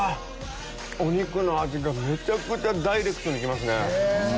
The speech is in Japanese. お肉の味がめちゃくちゃダイレクトに来ますね。